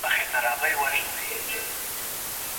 دا هغه طبقه ده چې باکتریا لري.